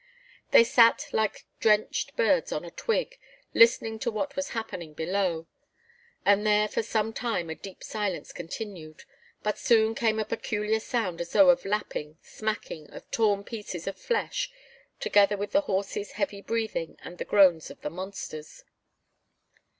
They sat like drenched birds on a twig, listening to what was happening below. And there for some time a deep silence continued, but soon came a peculiar sound as though of lapping, smacking of torn off pieces of flesh, together with the horses' heavy breathing and the groans of the monsters.